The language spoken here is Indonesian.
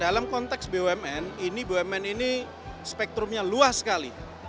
dalam konteks bumn ini bumn ini spektrumnya luas sekali